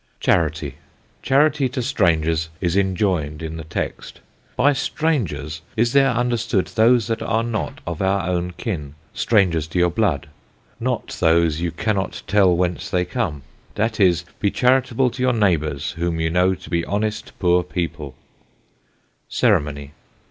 CHARITY. Charity to Strangers is enjoin'd in the Text. By Strangers is there understood those that are not of our own Kin, Strangers to your Blood; not those you cannot tell whence they come; that is, be charitable to your Neighbours whom you know to be honest poor People. CEREMONY.